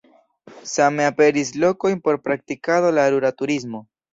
Same aperis lokoj por praktikado de la rura turismo.